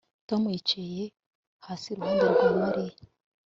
Tom yicaye hasi iruhande rwa Mariya